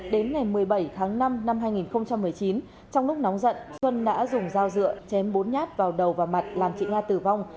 đến ngày một mươi bảy tháng năm năm hai nghìn một mươi chín trong lúc nóng giận xuân đã dùng dao dựa chém bốn nhát vào đầu và mặt làm chị nga tử vong